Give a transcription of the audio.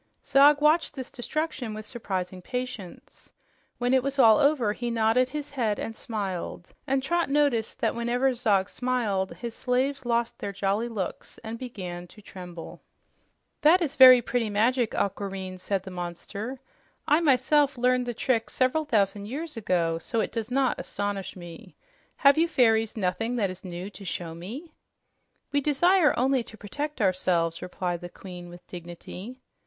Zog watched this destruction with surprising patience. When it was all over, he nodded his head and smiled, and Trot noticed that whenever Zog smiled, his slaves lost their jolly looks and began to tremble. "That is very pretty magic, Aquareine," said the monster. "I myself learned the trick several thousand years ago, so it does not astonish me. Have you fairies nothing that is new to show me?" "We desire only to protect ourselves," replied the Queen with dignity.